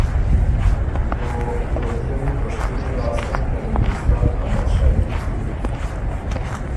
او لودهئنی پشتُنی لاسته ن دی ته هندستان ا بادشايي ورُوک،